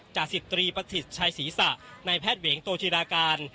จาศิตรีปศิษย์ชายศีรษะนายแพทย์เหวงโตชีราการ